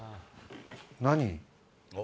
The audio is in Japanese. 何？